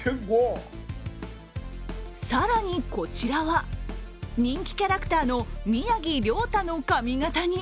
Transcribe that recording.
更にこちらは人気キャラクターの宮城リョータの髪形に。